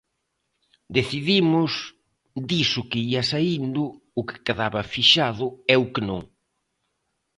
Decidimos, diso que ía saíndo, o que quedaba fixado e o que non.